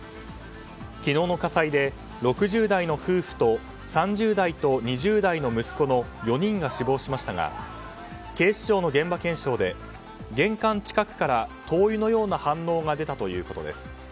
昨日の火災で６０代の夫婦と３０代と２０代の息子の４人が死亡しましたが警視庁の現場検証で玄関近くから灯油のような反応が出たということです。